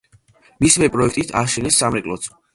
მისივე პროექტით ააშენეს სამრეკლოც.